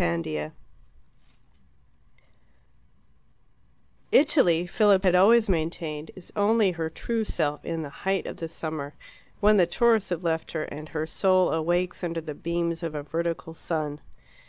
Chapter 6 Italy, Philip had always maintained, is only her true self in the height of the summer, when the tourists have left her, and her soul awakes under the beams of a vertical sun.